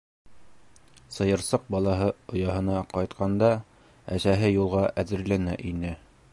Сыйырсыҡ балаһы ояһына ҡайтҡанда, әсәһе юлға әҙерләнә ине.